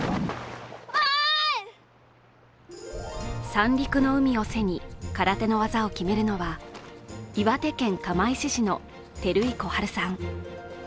三陸の海を背に、空手の技を決めるのは岩手県釜石市の照井心陽さん。